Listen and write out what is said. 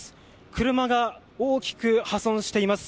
車が大きく破損しています。